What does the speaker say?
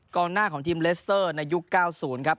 หน้าของทีมเลสเตอร์ในยุค๙๐ครับ